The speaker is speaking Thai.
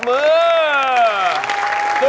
โอ้โฮ